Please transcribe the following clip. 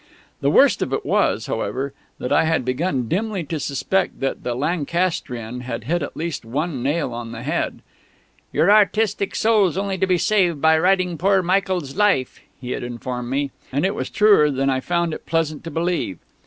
The worst of it was, however, that I had begun dimly to suspect that the Lancastrian had hit at least one nail on the head. "Your artistic soul's only to be saved by writing poor Michael's 'Life,'" he had informed me... and it was truer than I found it pleasant to believe.